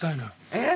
えっ！